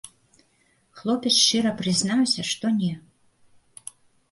Хлопец шчыра прызнаўся, што не.